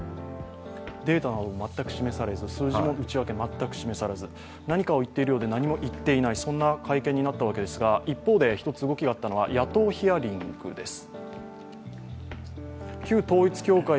データなどは絶対示されず、数字の内訳は全く示されず、何かを言っているようで何も言っていない、そんな会見になったわけですが動きがあったのが野党ヒアリングです。